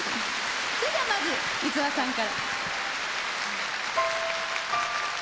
それではまず五輪さんから。